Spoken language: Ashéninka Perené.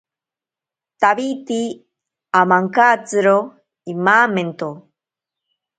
Tawiti amankatsiro imamento.